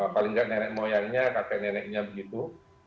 paling nggak nenek moyangnya kakek neneknya begitu